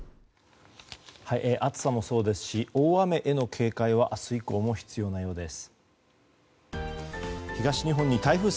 暑さもそうですし大雨への警戒は明日以降も必要なようです。